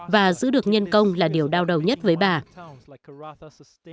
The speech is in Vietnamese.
và giữ được nhân công là điều đau đầu nhất với bà